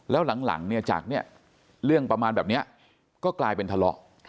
แล้วหลังเนี่ยจากเนี่ยเรื่องประมาณแบบเนี้ยก็กลายเป็นทะเลาะ